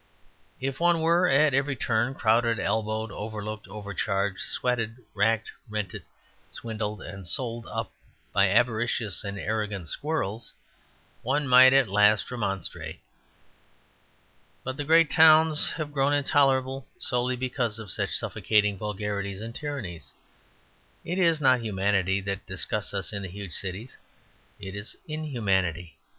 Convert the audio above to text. If one were at every turn crowded, elbowed, overlooked, overcharged, sweated, rack rented, swindled, and sold up by avaricious and arrogant squirrels, one might at last remonstrate. But the great towns have grown intolerable solely because of such suffocating vulgarities and tyrannies. It is not humanity that disgusts us in the huge cities; it is inhumanity.